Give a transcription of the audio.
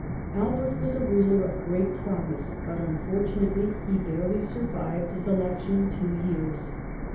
Albert was a ruler of great promise, but unfortunately he barely survived his election two years.